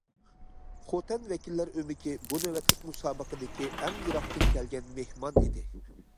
خوتەن ۋەكىللەر ئۆمىكى بۇ نۆۋەتلىك مۇسابىقىدىكى ئەڭ يىراقتىن كەلگەن‹‹ مېھمان›› ئىدى.